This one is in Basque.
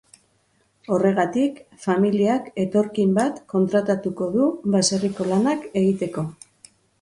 Horregatik, familiak etorkin bat kontratatuko du baserriko lanak egiteko.